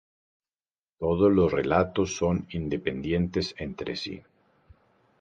Todos los relatos son independientes entre sí.